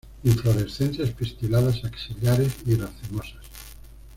Inflorescencias pistiladas, axilares y racemosas.